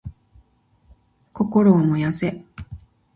心を燃やせ！